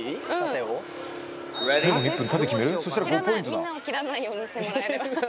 みんなを斬らないようにしてもらえれば。